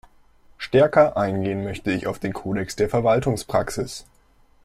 Stärker eingehen möchte ich auf den Kodex der Verwaltungspraxis.